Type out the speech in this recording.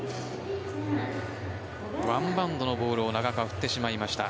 ワンバウンドのボールを長岡は振ってしまいました。